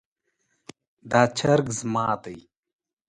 دا چرګ زما ده